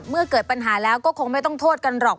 เมื่อเกิดปัญหาแล้วก็คงไม่ต้องโทษกันหรอก